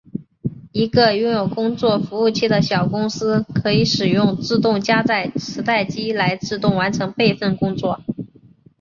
一个拥有工作组服务器的小公司可以使用自动加载磁带机来自动完成备份工作。